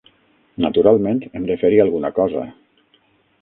Naturalment, hem de fer-hi alguna cosa.